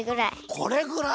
これぐらい？